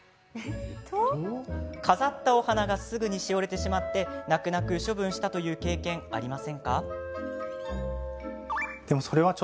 飾ったお花がすぐにしおれてしまって泣く泣く処分したという経験ありませんか？